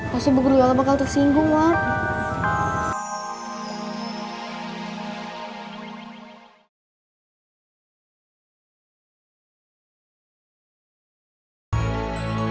pasti bu guliola bakal tersenyum